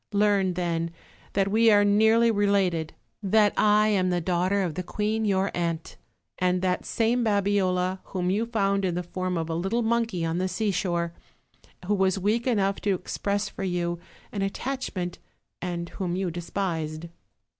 Learn, then, that we are nearly related; that I am the daughter of the queen your aunt; and that same Babiola, whom you found in the form of a little monkey on the seashore; who was weak enough to express for you an attachment; and whom you despised."